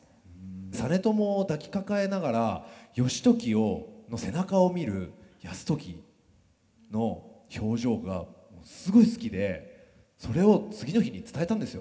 実朝を抱きかかえながら義時の背中を見る泰時の表情がすごい好きでそれを次の日に伝えたんですよ